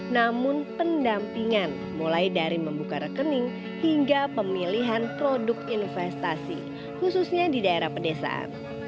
namun pendampingan mulai dari membuka rekening hingga pemilihan produk investasi khususnya di daerah pedesaan